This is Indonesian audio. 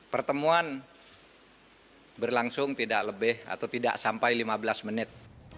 pertemuan berlangsung tidak lebih atau tidak sampai lima belas menit